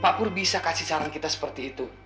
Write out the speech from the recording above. pak pur bisa kasih saran kita seperti itu